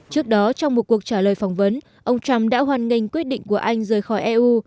trước đó trong một cuộc trả lời phỏng vấn ông trump đã hoan nghênh quyết định của anh rời khỏi eu